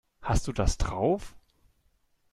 Hast du das drauf?